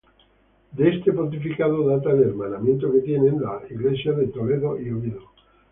De este pontificado data el hermanamiento que tienen las iglesias de Toledo y Oviedo.